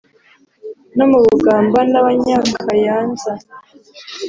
no mu bugamba n’abanyakayanza